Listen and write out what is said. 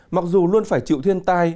mặc dù luôn phải chịu thiên tai